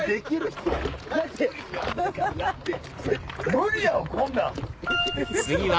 無理やわ！